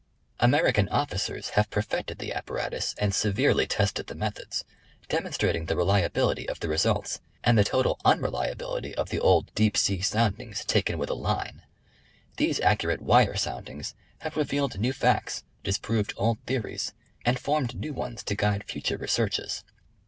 American officers have perfected the apparatus and severely tested the methods, demonstrating the reliability of the results and the total unreliability of the old deep sea sound ings taken with a line. These accurate wire soundings have re vealed new facts, disproved old theories and formed new ones to guide future researches.